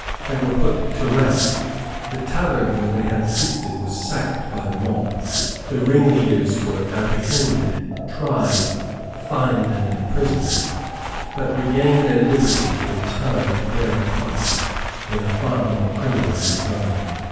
They were put to rout; the tavern where they had feasted was sacked by the mob; the ringleaders were apprehended, tried, fined and imprisoned, but regained their liberty in time to bear a part in a far more criminal design.